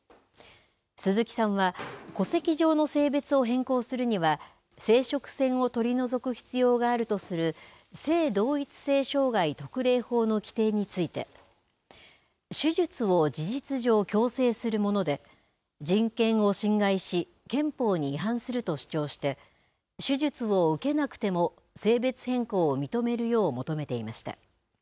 鈴木さんは戸籍上の性別を変更するには生殖腺を取り除く必要があるとする性同一性障害特例法の規定について手術を事実上強制するもので人権を侵害し憲法に違反すると主張して手術を受けなくても性別変更を認めるよう求めていました。